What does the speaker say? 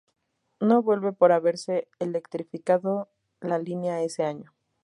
No vuelve por haberse electrificado la línea ese año.